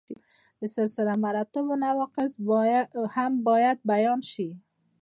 د سلسله مراتبو نواقص هم باید بیان شي.